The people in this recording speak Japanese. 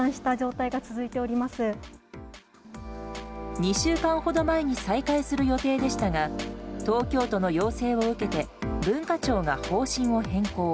２週間ほど前に再開する予定でしたが東京都の要請を受けて文化庁が方針を変更。